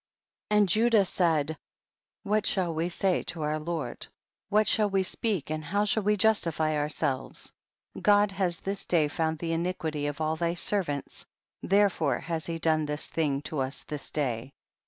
31. And Judah said, what shall we say to our lord, what shall we speak and how shall we justify our selves ? God has this day found the iniquity of all thy servants, therefore has he done this thing to us this day.